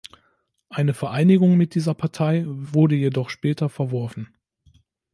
Eine Vereinigung mit dieser Partei wurde jedoch später verworfen.